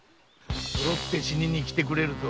そろって死ににきてくれるとはご苦労。